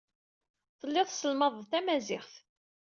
Tellid tesselmaded tamaziɣt.